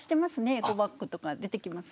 エコバッグとか出てきます。